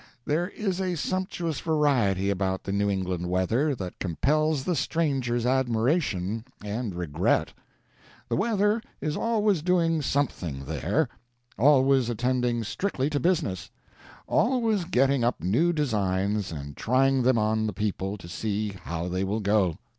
There is a sumptuous variety about the New England weather that compels the stranger's admiration and regret. The weather is always doing something there; always attending strictly to business; always getting up new designs and trying them on the people to see how they will go.